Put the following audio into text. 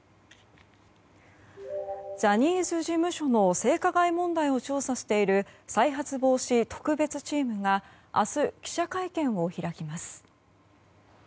ジャニーズ事務所の性加害問題を調査している再発防止特別チームが明日、記者会見を開きます。